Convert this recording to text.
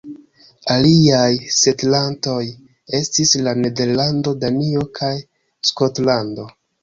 Aliaj setlantoj estis el Nederlando, Danio, kaj Skotlando.